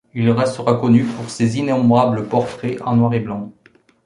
Il restera connu pour ses innombrables portraits en noir et blanc.